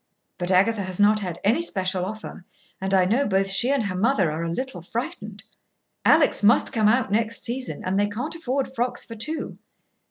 But Agatha has not had any special offer, and I know both she and her mother are a little frightened. Alix must come out next season, and they can't afford frocks for two.